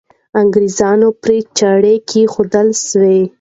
انګریز پرې چاړه کښېښودل سوه.